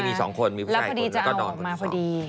มีสองคนมีผู้ชายคนแล้วก็นอนมาพอดี